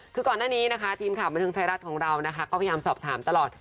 คือก่อนหน้านี้นะคะทีมขับบริษัทของเราก็พยายามสอบถามตลอด